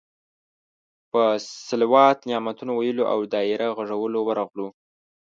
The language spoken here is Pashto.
په صلوات، نعتونو ویلو او دایره غږولو ورغلو.